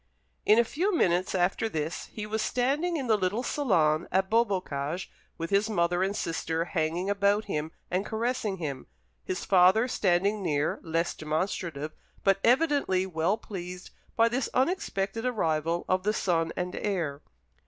In a few minutes after this he was standing in the little salon at Beaubocage, with his mother and sister hanging about him and caressing him, his father standing near, less demonstrative, but evidently well pleased by this unexpected arrival of the son and heir.